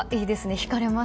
引かれます。